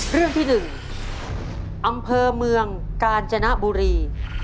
เรื่องที่๑อำเภอเมืองกาญจนบุรี